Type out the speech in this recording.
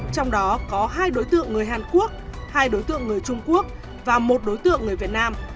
trong đó có hai đối tượng người hàn quốc hai đối tượng người trung quốc và một đối tượng người việt nam